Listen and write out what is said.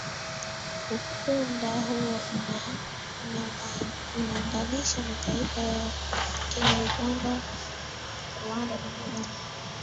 Ukunda huo unaunganisha mataifa ya Kenya Uganda Rwanda na Burundi